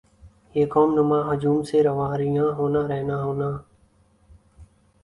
یِہ قوم نما ہجوم سے واریاں ہونا رہنا ہونا